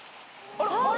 あっ！